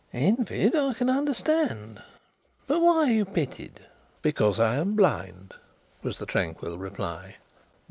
"Envied, I can understand. But why are you pitied?" "Because I am blind," was the tranquil reply.